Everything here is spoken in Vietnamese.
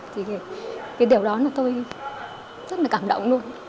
thì điều đó là tôi rất là cảm động luôn